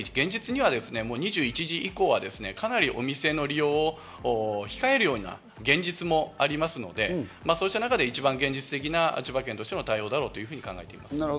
現実には２１時以降はお店の利用を控えるような現実もありますので、そうした中で一番現実的な千葉県としての対応だろうと考えています。